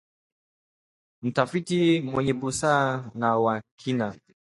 mtafiti mwenye busara na wa kina